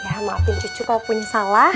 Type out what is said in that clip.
ya maafin cucu kalau punya salah